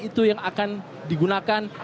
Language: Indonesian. itu yang akan digunakan